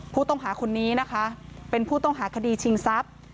ผู้ต้องหาคนนี้นะคะเป็นผู้ต้องหาคดีชิงทรัพย์